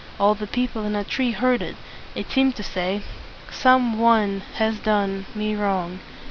All the people in Atri heard it. It seemed to say, "Some one has done me wrong!